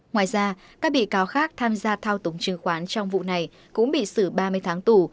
ngoài ra các bị cáo khác tham gia thao túng chứng khoán trong vụ này cũng bị xử ba mươi tháng tù